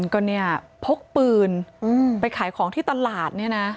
ก็เนี่ยพกปืนไปขายของที่ตลาดเนี่ยนะ